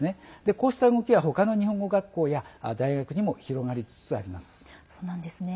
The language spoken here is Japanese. こうした動きはほかの日本語学校や大学にも広がりつつあります。